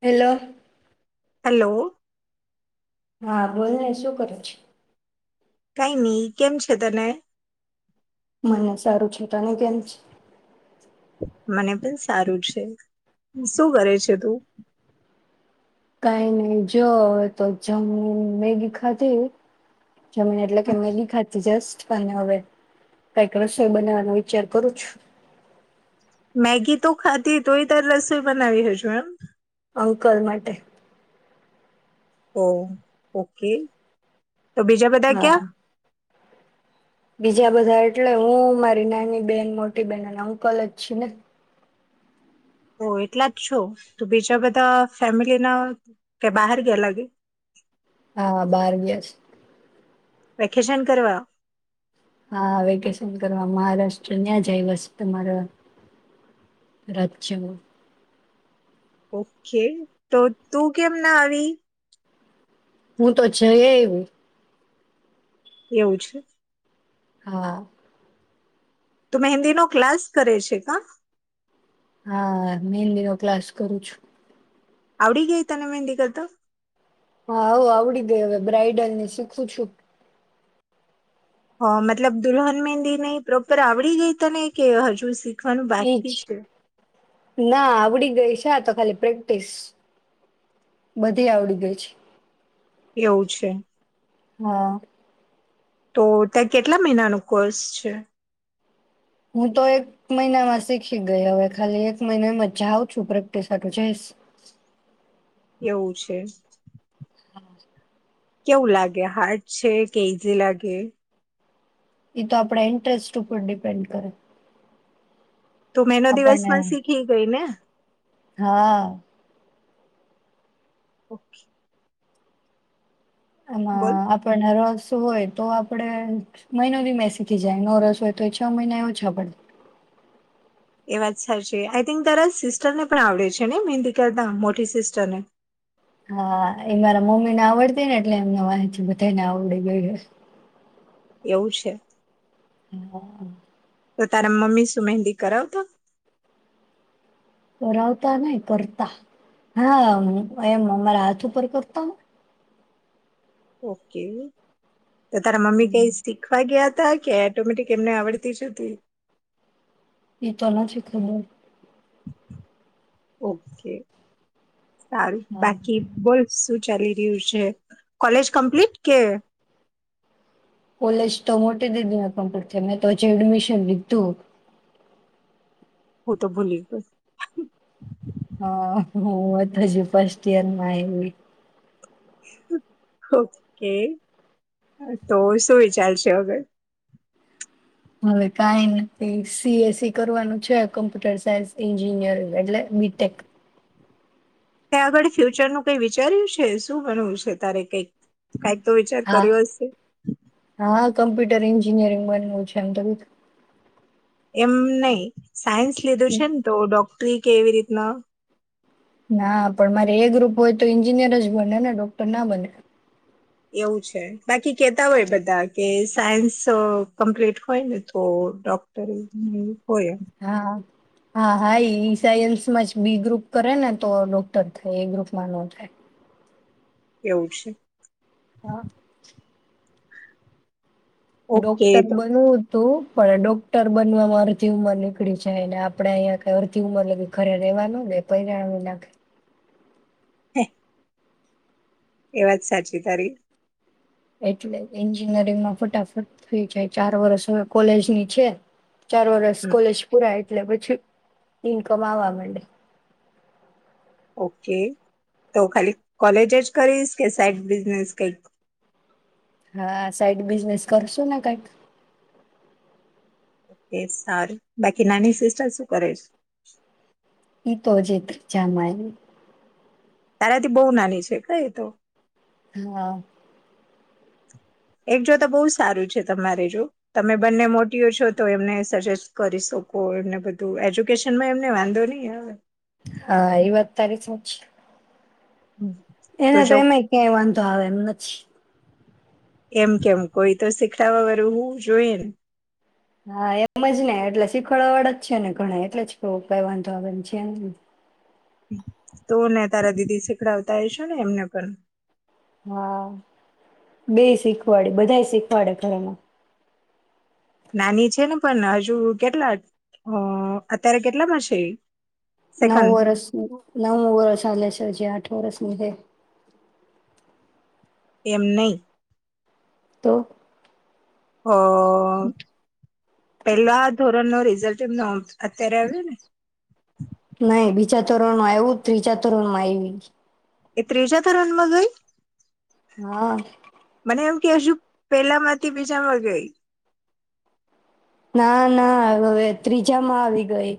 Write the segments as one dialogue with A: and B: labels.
A: Hello!
B: Hello!
A: હા, બોલને શું કરે છે?
B: કંઈ ની, કેમ છે તને?
A: મને સારું છે, તને કેમ છે?
B: મને પણ સારું છે, શું કરે છે તું?
A: કઈ નહી, જો તો જમુ મેગી ખાધી. જમીને એટલે કે મેગી ખાધી જસ્ટ. કાંઈ નઈ હવે, કઈક રસોઈ બનાવવાનો વિચાર કરું છું.
B: મેગી તો ખાધી, તોય તને રસોઈ બનાવી હજુ એમ!
A: અંકલ માટે.
B: Oh, okay. તો બીજા બધા
A: હા
B: ક્યાં?
A: બીજા બધા એટલે હું, મારી નાની બેન, મોટી બેન અને અંકલ જ છે ને.
B: ઓ એટલા જ છો? તો બીજા બધા ફેમિલી ના કે બહાર ગયા લાગે.
A: હા બાર ગ્યા સ.
B: વેકેશન કરવા?
A: હા વેકેશન કરવા મહારાષ્ટ્ર ન્યાં જ આયવા સ તમારા રાજ્યમાં.
B: ઓકે! તો તું કેમ ના આવી?
A: હું તો જઈ વી.
B: એવું છે.
A: હા.
B: તું મહેંદીનો ક્લાસ કરે છે કા?
A: હા મેંદી નો ક્લાસ કરું છું.
B: આવડી ગય તને મહેંદી કરતા?
A: હા આવ આવડી ગે હવે બ્રઇડલ ની શીખું છું.
B: હ મતલબ, દુલ્હન મેંદી નહી પ્રોપર આવડી ગઈ તને? કે હજુ સી શીખવાનું
A: એજ
B: બાકી છે.
A: ના આવડી ગઈ છે, તો ખાલી પ્રેક્ટિસ બધી આવડી ગઈ છે
B: એવું છે.
A: હા
B: તો ત્યાં, કેટલા મહિનાનો કોર્સ છે?
A: હું તો એક મહિનામાં શીખી ગઈ હવે ખાલી એક મહિનામાં જાઉં છું પ્રેક્ટિસ હાટુ જઈસ.
B: એવું છે.
A: હા.
B: કેવું લાગે હાર્ડ છે કે ઈઝી લાગે?
A: એ તો આપણા ઇન્ટરેસ્ટ ઉપર ડિપેન્ડ કરે.
B: તું મહિનો
A: આપણને
B: દિવસમાં શીખી ગઈ ને?
A: હા
B: ઓકે. બોલ
A: આમાં આપણના રસ હોય તો આપડે મહિનોદીમા યે શીખી જાય, નોરસ હોય તો એ છ મહિના એ ઓછા પડે.
B: એ વાત સાચી, આઈ થિંક તારા સિસ્ટર ને પણ આવડે છે ને મહેંદી કરતા? મોટી સિસ્ટરને
A: હા એ મારા મમ્મી ને આવડતી ને એટલે અમને વાહેંથી બધાય ને આવડી ગય.
B: એવું છે.
A: [unintelligible]
B: તો તારા મમ્મી શું, મહેંદી કરાવતો?
A: કરાવતા નહી કરતા હા એમ અમારા હાથ ઉપર કરતા હો.
B: ઓકે. તો તારા મમ્મી કઈ શીખવા ગયા કે એટોમેટિક એમને આવડતી જ હતી.
A: એ તો નથી ખબર.
B: ઓકે. સારું,
A: હા
B: બાકી બોલ? શું ચાલી રહ્યું છે, કોલેજ કમ્પ્લીટ કે?
A: કોલેજ તો મોટી દીદી ના કમ્પ્ટ થઈ, મેં તો એડમિશન લીધું.
B: હું તો ભૂલી ગ
A: હા હ હજી ફર્સ્ટ ઇયર માં આઇવિ.
B: ઓકે, તો શું વિચારશે અવે?
A: હવે કઈ નથી સી એસ ઇ કરવાનું છે, કોમ્પ્યુટર સાયન્સ એન્જિનિયરિંગ, એટલે બી ટેક
B: ત્યાં આગળ ફ્યુચરનું કંઈ વિચાર્યું છે, શું ભણવું છે તારે કંઈક? કંઈક તો વિચાર
A: હા
B: કર્યો હશે?
A: હા કમ્પ્યુટર એન્જિનિયરિંગ બનવું છે એમ ત
B: એમ નહી સાયન્સ લીધું છે ને તો ડોક્ટરી કેવી રીતના
A: ના પણ મારે એ ગ્રુપ હોય તો એન્જિનિયર જ બને ને ડોક્ટર ના બને.
B: એવું છે બાકી કેતા હોય બધા કે સાયન્સ અહ કમ્પ્લીટ હોય ને તો ડોક્ટરી ઈન્જિનિયર
A: હા હા. હા હા એ સાયન્સમાં જ બી ગ્રુપ કરે ને તો ડોક્ટર થાય એ ગ્રુપમાં નો થાય.
B: એવું છે.
A: હા.
B: ઓકે
A: ડોક્ટર
B: તો
A: બનવું. તો પર ડોક્ટર બનમાં અડધી ઉંમર નીકળી જાયને આપડે અહીંયા કઈ અડધી ઉંમર લી ખરે રેવાનું દે પણ નાખે
B: હ એ વાત સાચી તારી.
A: એટલે એન્જિનિયરિંગમાં ફટાફટ થઈ જાય ચાર વરષ હવે કોલેજ ની છે. ચાર વરસ
B: હમ,
A: કોલેજ પુરા એટલે પછી ઇન્કમ આવવા માંડે.
B: ઓકે, તો ખાલી કોલેજ જ કરીશ, કે સાઈડ બિઝનેસ કંઈક?
A: હા સાઈડ બિઝનેસ કરશો ને કઈક?
B: ઓકે સારું બાકી નાની સિસ્ટર શું કરે છે?
A: તોજ એક જામ આઈ.
B: તારાથી બહુ નાની છે, કઈ તો.
A: હા.
B: એક જોતા બહુ સારું છે તમારે જો તમે બંને મોટીઓ છો તો એમને સજેસ્ટ કરી શકો એમને બધું એજ્યુકેશનમાં એમને વાંધો નહી આવે.
A: હા વત [unintelligible] છે એને તો એમે ક્યાંય વાંધો તો એમ નથી
B: એમ કેમ કોઈ તો શીખડવા વાળું હોવું જોઈએ ને
A: હા એમ જ ને એટલે શીખવાડવા વાળ જ છે ને ઘણા એટલે જ કે ક વાંધો આને છે.
B: તું ને તારા દીદી શીખડાવતા હ છે ને એમને પણ
A: હા બે શીખવાડે બધા શીખવાડે ઘરેમાં
B: નાની છે ને પણ હજુ કેટલા અ અત્યારે કેટલામાં છે એ?
A: નવ વર્ષ નવ વર્ષ આલ સરજી આઠ વરષ [unintelligible]
B: એમ નહી
A: તો
B: હ પેલો આ ધોરણ નો રિઝલ્ટ એમનો અત્યારે આવ્યો ને
A: નહી બીજા તોરણ માં આવું જ ત્રીજા તોરણ માં આવી
B: એ ત્રીજા ધરણમાં ગઈ
A: હા.
B: એમ કે શું પેલા માંથી બીજામાં ગઈ.
A: ના ના હવે ત્રીજામાં આવી ગઈ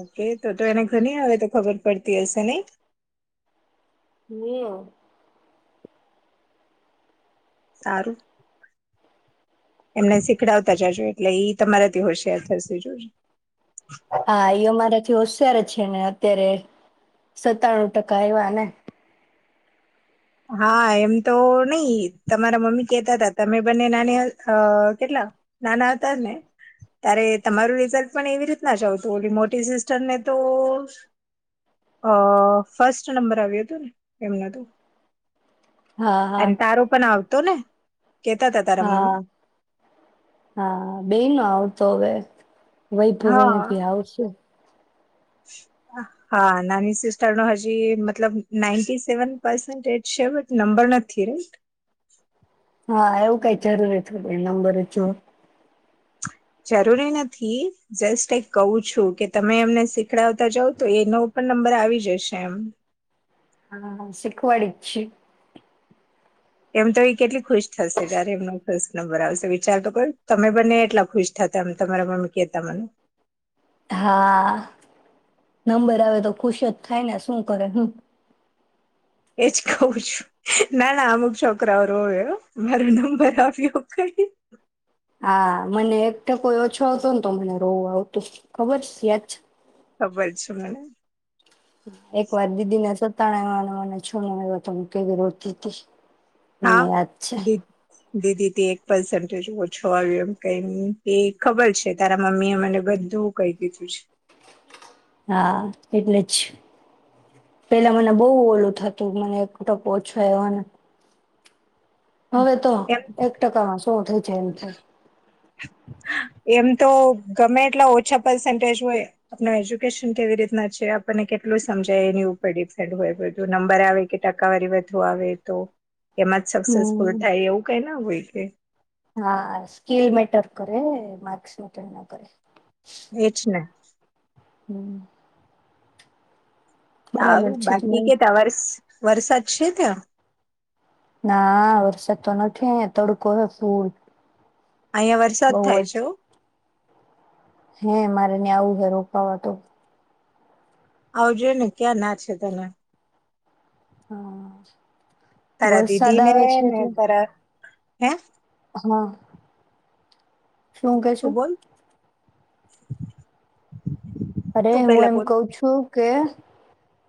B: ઓકે તો તો એને ઘણી હવે તો ખબર પડતી હશે નહી.
A: હામ.
B: સારું એમને શીખડાવતા જાજો એટલે ઈ તમારાથી હોશિયાર થશે જોજ.
A: હા યો મારે [unintelligible] અત્યારે છે ને અત્યારે સત્તાણું ટકા એયવા એને
B: હા એમ તો નહી તમારા મમ્મી કહેતા હતા તમે બંને નાની આ કેટલા નાના હતા ને ત્યારે તમારું રિઝલ્ટ પણ એવી રીતના જ આવતું ઓલી મોટી સિસ્ટર ને તો અ ફસ્ટ નંબર આવ્યો હતું ને એમના તો.
A: હા હા
B: અને તારો પણ આવ તો ને કેતા તા તારા મમ્મી
A: હા હા બેનો આવ તો હવે વૈભવ એ
B: હા
A: નથી આવશે.
B: હા નાની સિસ્ટરનો હજી મતલબ નાઈન્ટી સેવન પર્સેન્ટેજ છે બટ નંબર નથી રાઈટ.
A: હા એવું કઈ જરૂરી થોડી નંબરે [unintelligible]
B: જરૂરી નથી જસ્ટ એક કહું છું કે તમે એમને શીખડાવતા જાવ તો એ નવ પણ નંબર આવી જશે એમ.
A: હા હા શીખવાડીએ છીએ.
B: એમ તો એ કેટલી ખુશ થશે જ્યારે એમનો ફર્સ્ટ નંબર આવશે વિચાર તો કો તમે બને એટલા ખુશ થતા અમ તમારા મમ્મી કહેતા મને.
A: હા નંબર આવે તો ખુશ જ થાય ને શું કરે હું.
B: એજ કઉું છું ના ના અમુક છોકરાઓ રોયો મારો નંબર આપ્યો કઈ.
A: હા મને એક ટકોઈ ઓછો આવતો ને તો મને રોવ આવતું ખબર છે યાદ છે.
B: ખબર છે મને.
A: એક વાર દીદી [unintelligible] [unintelligible] તો કેવી રોતી તી.
B: હા, દી દીધી તી એક પર્સન. તે જુ ઓછો આવ્યો એમ કંઈક એ ખબર છે, તારા મમ્મી એ મને બધું કઈ દીધું છે.
A: હા એટલે જ, પેલા મને બઉ ઓલું થતું, મને તકો ઓછું એવા ને હવે તો
B: એમ
A: એક ટકામાં સો થઈ. જેમ થાઈ
B: એમ તો ગમે એટલા ઓછા પર્સન્ટેજ હોય, આપને એજ્યુકેશન કેવી રીતના છે, આપણને કેટલું સમજાય એની ઉપર ડિપેન્ડ હોય બધું, નંબર આવે કે ટકાવારી વધુ આવે તો એમાં જ સક્સેસફુલ
A: હમ
B: થાય એવું કંઈ ના હોય. [unintelligible]
A: હા, સ્કીલ મેટર કરે ને? માર્કસ મેટર ન કરે.
B: એજ ને.
A: હમ્મ.
B: સારું,
A: છે
B: બાકી
A: તમારે
B: કે [unintelligible] વરસાદ છે ત્યાં?
A: ના, વરસાદ તો નથી, અઈંયા તડકો હે ફુલ.
B: અઈંયા વરસાદ થાય છે હોં.
A: હેં મારે ન્યાં આવું હે રોકાવા તો.
B: આવજે ને, ક્યાં ના છે તને.
A: હાશ.
B: તારા દીદીને ને તારા હેં?
A: હાં. શું
B: તું
A: કેશું?
B: બોલ [inaudible]
A: અરે
B: તું
A: હું
B: પેલા
A: એમ
B: બોલ
A: કઉ છું કે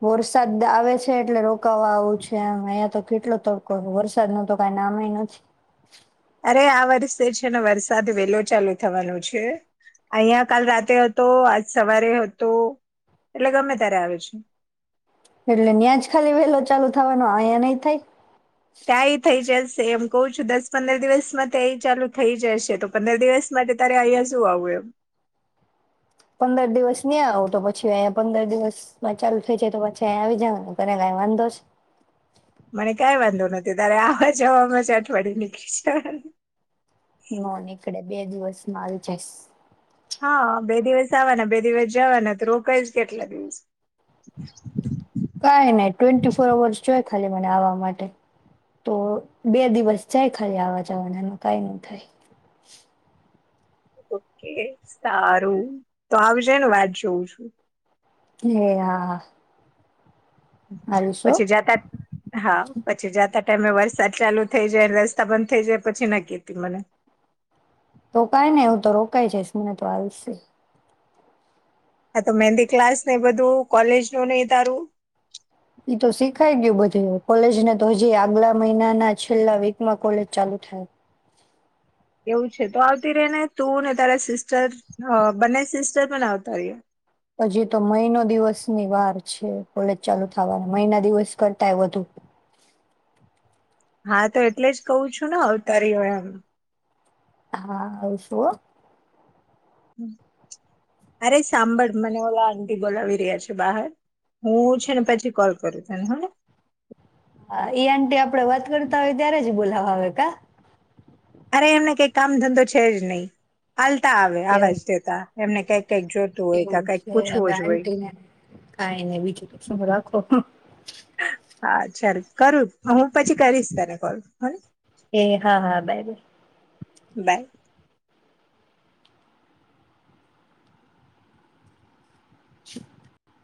A: વરસાદ આવે છે એટલે રોકાવા આવું છે એમ, અઈંયા તો કેટલો તડકો હ, વરસાદનું તો કાંઈ નામે ય નથી.
B: અરે આ વર્ષે છે ને વરસાદ વેલો ચાલુ થવાનો છે, અઈંયા કાલ રાતે અતો, આજ સવારે હતો, એટલે ગમે તારે આવે છે.
A: એટલે ન્યાંજ ખાલી વેલો ચાલુ થવાનો? આઈંયા નઈ થાય?
B: ત્યાંય થઈ જશે. તો એમ કવ છું દસ પંદર દિવસમાં તો એય ચાલુ થઈ જશે, તો પંદર દિવસ માટે તારે આઈંયા શું આવવું એમ.
A: પંદર દિવસ નહી આવો તો પછી અહીયા પંદર દિવસમાં ચાલુ થઈ જાય તો પછી અહીયા આવી જવા કરે વાંધો છે
B: મને કાંઈ વાંધો નથી, તારે આવા જવામાં જ અઠવાડિયું નીકળી જા હે.
A: નો નીકડે. બે દિવસમાં આવી જઈશ.
B: હાં, બે દિવસ આવવાના બે દિવસ જાવાના, તો રોકાઈશ કેટલા દિવસ?
A: કાંઈ નઈ ટ્વેન્ટી ફોર અવર્સ જોય ખાલી મને આવા માટે, તો બે દિવસ જાય ખાલી આવા જાવાના એનું કાંઈ ન થાય.
B: ઓકે, સારું તો આવજેને વાટ જોઉું છું.
A: હે હા હા. આવીશ હો
B: પછી જાતાત, હા પછી જાતાત તમે વરસાદ ચાલુ થઈ જાય રસ્તા બંધ થઇ જાય પછી ન કેતી મને
A: રોકાય ને હું તો રોકાય જઈશ મને તો આલશે
B: હા તો મહેન્ડી ક્લાસ ને એ બધું કોલેજનું ને એ તારું.
A: ઈ તો શીખાય ગયું બધે કોલેજને તો હજી આગલા મહિનાના છેલ્લા વીકમાં કોલેજ ચાલુ થાય
B: એવું છે તો આવતી રે ને તું ને તારા સિસ્ટર અઅ બંને સિસ્ટર પણ આવતા રેયો.
A: હજી તો મહિનો દિવસની વાર છે કોલેજ ચાલુ થાવા મહિના દિવસ કરતાય વધુ
B: હા તો એટલે જ કહું છું ને અવતારી હોય એમ
A: હા આવશું હો.
B: અરે સાંભળ મને ઓલા આંટી બોલાવી રહ્યા છે બાહર. હું છે ને પછી કોલ કરું તને હોને
A: હા ઈ આંટી આપડે વાત કરતા હોય ત્યારે જ બોલાવા આવે કા
B: અરે એમને કઈ કામ ધંધો છે જ નય. આલતા આવે આવાજ
A: એવું
B: દેતા એમને કઈ
A: એવું છે હવે આંટીને કાઈને બીજું તો શું રાખો ઉહ
B: હા ચાલ કરું હું પછી કરીશ તને કોલ હને.
A: એ હા-હા બાય-બાય.
B: [inaudible]
A: [inaudible]